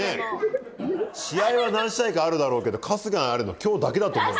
試合は何試合かあるだろうけど春日に会えるの今日だけだと思う。